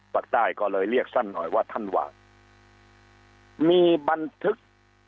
ภาคใต้ก็เลยเรียกสั้นหน่อยว่าท่านว่ามีบันทึก